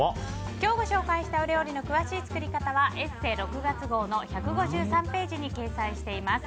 今日ご紹介したお料理の詳しい作り方は「ＥＳＳＥ」６月号の１５３ページに掲載しています。